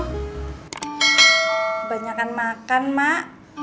kebanyakan makan mak